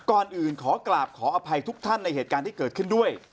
ก่อนอื่นขอกราบขออภัยทุกท่านในเหตุการณ์ที่เกิดขึ้นด้วย